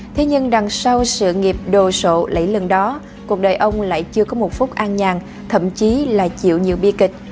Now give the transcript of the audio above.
thế nhưng đằng sau sự nghiệp đồ sộ lẫy lừng đó cuộc đời ông lại chưa có một phút an nhàng thậm chí là chịu nhiều bi kịch